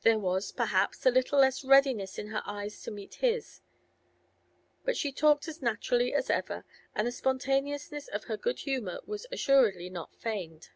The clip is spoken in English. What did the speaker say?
There was, perhaps, a little less readiness in her eyes to meet his, but she talked as naturally as ever, and the spontaneousness of her good humour was assuredly not feigned.